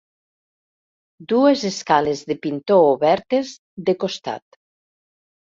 Dues escales de pintor obertes, de costat.